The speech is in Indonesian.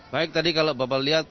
baik tadi kalau bapak lihat